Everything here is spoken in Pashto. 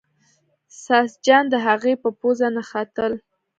ساسچن د هغې په پوزه نښتل.